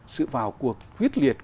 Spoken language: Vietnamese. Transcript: sự vào cuộc quyết liệt